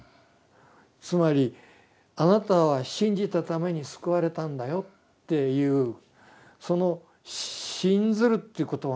つまりあなたは信じたために救われたんだよっていうその「信ずる」という言葉